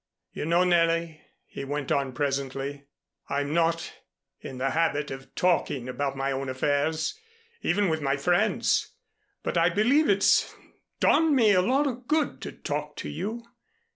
"You know, Nellie," he went on presently, "I'm not in the habit of talking about my own affairs, even with my friends, but I believe it's done me a lot of good to talk to you.